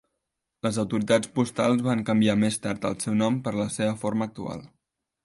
Les autoritats postals van canviar més tard el seu nom per la seva forma actual.